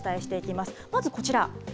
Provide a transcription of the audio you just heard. まずこちら。